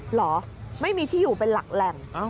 เหรอไม่มีที่อยู่เป็นหลักแหล่ง